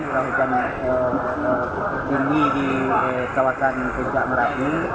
juga hujan tinggi di kawasan gunung marapi